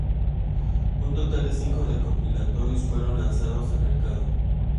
Un total de cinco recopilatorios fueron lanzados al mercado.